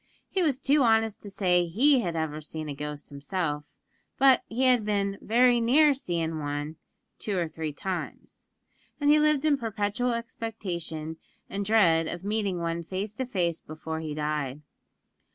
He was too honest to say he had ever seen a ghost himself; but he had been "very near seein' wan two or three times," and he lived in perpetual expectation and dread of meeting one face to face before he died.